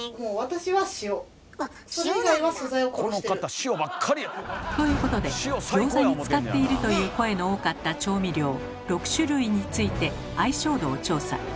ちょっとということでギョーザに使っているという声の多かった調味料６種類について相性度を調査。